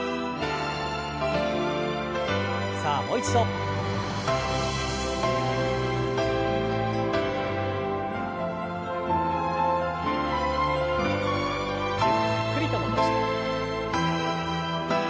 さあもう一度。ゆっくりと戻して。